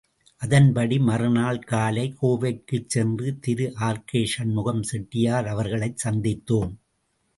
அதன்படி மறு நாள் காலை கோவைக்கு சென்று திரு ஆர்.கே.சண்முகம் செட்டியார் அவர்களைச் சந்தித்தோம்.